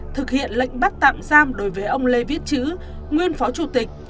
thực hiện lệnh bắt tạm giam đối với ông lê viết chữ nguyên phó chủ tịch